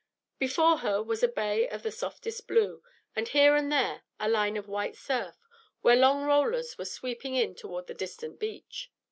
Before her was a bay of the softest blue, with here and there a line of white surf, where long rollers were sweeping in toward the distant beach.